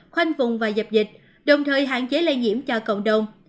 khoanh vùng và dập dịch đồng thời hạn chế lây nhiễm cho cộng đồng